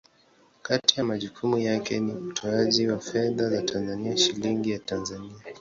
Kati ya majukumu yake ni utoaji wa fedha za Tanzania, Shilingi ya Tanzania.